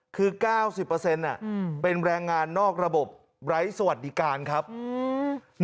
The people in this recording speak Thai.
คือเก้าสิบเปอร์เซ็นต์อ่ะอืมเป็นแรงงานนอกระบบไร้สวัสดิการครับอืม